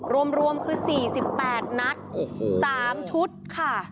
รวมรวมคือสี่สิบแปดนัดโอ้โหสามชุดค่ะ